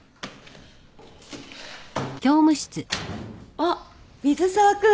あっ水沢君。